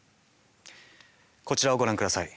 こちらをご覧ください。